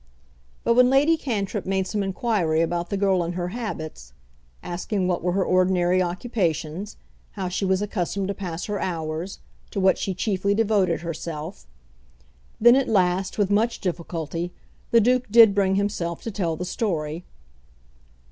But when Lady Cantrip made some inquiry about the girl and her habits, asking what were her ordinary occupations, how she was accustomed to pass her hours, to what she chiefly devoted herself, then at last with much difficulty the Duke did bring himself to tell the story.